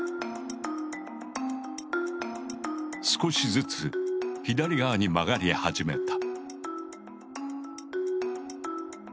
少しずつ左側に曲がり始めた。